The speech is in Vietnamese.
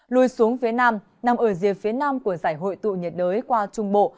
lui xuống phía nam nằm ở rìa phía nam của giải hội tụ nhiệt đới qua trung bộ